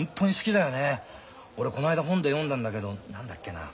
俺この間本で読んだんだけど何だっけな。